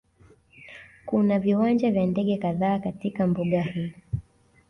Kuna viwanja vya ndege kadhaa katika mbuga hii